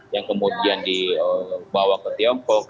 yang kemudian dibawa ke tiongkok